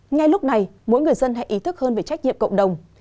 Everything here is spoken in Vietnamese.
ngay lúc này mỗi người dân hãy ý thức hơn về trách nhiệm cộng đồng